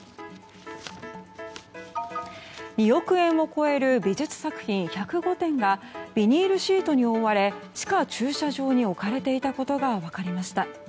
２億円を超える美術作品１０５点がビニールシートに覆われ地下駐車場に置かれていたことが分かりました。